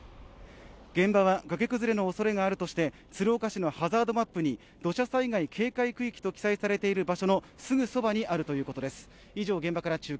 現場は崖崩れのおそれがあるとして鶴岡市のハザードマップに土砂災害警戒区域と掲載されている場所のすぐそばにあるということです。